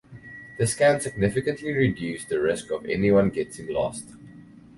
This can significantly reduce the risk of anyone getting lost.